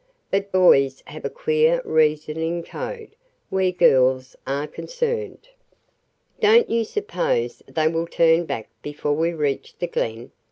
But boys have a queer reasoning code where girls are concerned. "Don't you suppose they will turn back before we reach the Glen?"